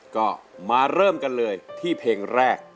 ก็มาเริ่มกันเลยที่เพลงแรก